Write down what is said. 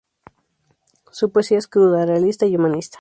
Su poesía es cruda, realista y humanista.